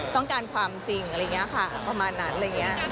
ต้องการความจริงอะไรอย่างนี้ค่ะประมาณนั้นอะไรอย่างนี้